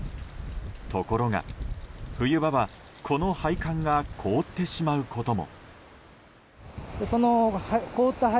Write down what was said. ところが、冬場はこの配管が凍ってしまうことも。